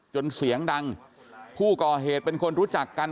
เสียงดังผู้ก่อเหตุเป็นคนรู้จักกัน